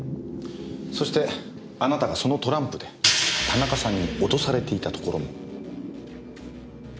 そしてあなたがそのトランプで田中さんに脅されていたところも。